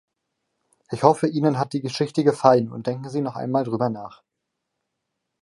Ich hoffe Ihnen hat die Geschichte gefallen, und denken Sie noch einmal darüber nach.